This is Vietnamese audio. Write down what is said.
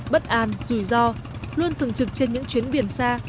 bất an rủi ro luôn thường trực trên những chuyến biển xa